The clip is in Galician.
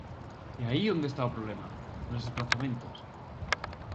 É aí onde está o problema: nos desprazamentos.